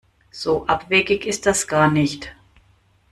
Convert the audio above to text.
So abwegig ist das gar nicht.